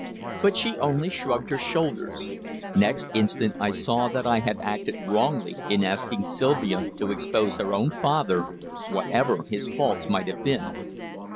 But she only shrugged her shoulders. Next instant I saw that I had acted wrongly in asking Sylvia to expose her own father, whatever his faults might have been.